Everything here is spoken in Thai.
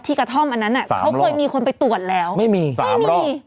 กระท่อมอันนั้นอ่ะเขาเคยมีคนไปตรวจแล้วไม่มีสามี